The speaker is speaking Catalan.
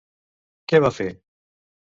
Què ve a fer?